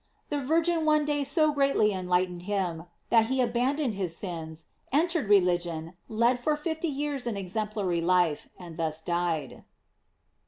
The Virgin one day so greatly enlightened him, that he abandoned his sins, entered religion, led for fifty years an exemplary life, and thus died.